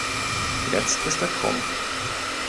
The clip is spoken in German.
Jetzt ist er krumm.